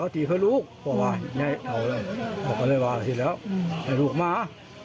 ที่นี้ค่ะ